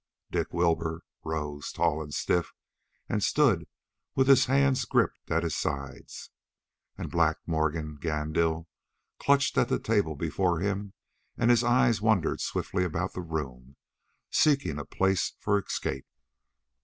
Dick Wilbur rose, tall and stiff, and stood with his hands gripped at his sides, and Black Morgan Gandil clutched at the table before him and his eyes wandered swiftly about the room, seeking a place for escape.